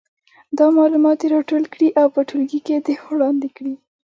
دا معلومات دې راټول کړي او په ټولګي کې دې وړاندې کړي.